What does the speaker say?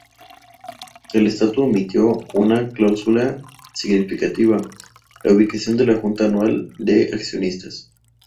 El estatuto omitió una cláusula significativa: la ubicación de la junta anual de accionistas.